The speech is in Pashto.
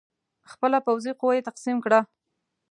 خپله پوځي قوه یې تقسیم کړه.